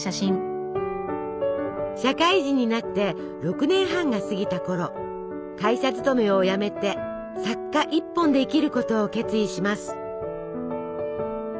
社会人になって６年半が過ぎたころ会社勤めを辞めて作家一本で生きることを決意します。